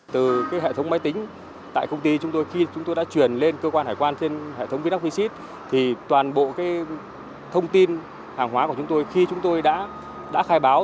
từ hệ thống máy tính tại công ty chúng tôi khi chúng tôi đã truyền lên cơ quan hải quan trên hệ thống vnfvsite thì toàn bộ thông tin hàng hóa của chúng tôi khi chúng tôi đã khai báo